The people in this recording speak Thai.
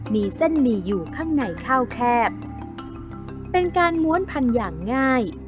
มีเส้นหมี่อยู่ข้างในข้าวแคบเป็นการม้วนพันธุ์อย่างง่าย